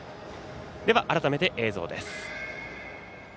改めて、映像です。